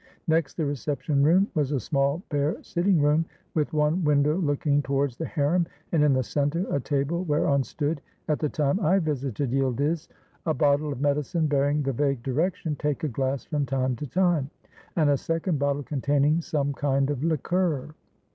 Next the reception room was a small, bare sitting room, with one window looking towards the harem and, in the center, a table whereon stood, at the time I visited Yildiz, a bottle of medicine bearing the vague direction, "Take a glass from time to time," and a second bot tle containing some kind of liqueur.